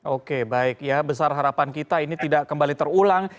oke baik ya besar harapan kita ini tidak kembali terulang